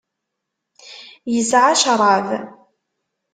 Yesɛa ccṛab.